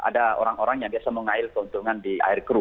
ada orang orang yang biasa mengail keuntungan di air kru